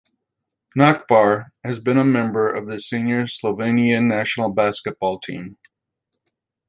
Nachbar has been a member of the senior Slovenian national basketball team.